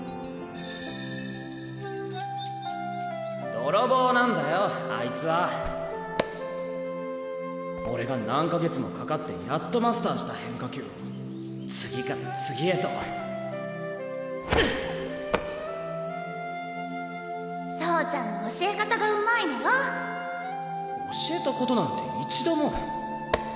どろぼうなんだよあい俺が何か月もかかってやっとマスターした変化球を次から次へと走ちゃんの教え方がうまいのよ教えたことなんて一度も！